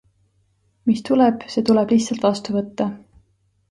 Mis tuleb, see tuleb lihtsalt vastu võtta.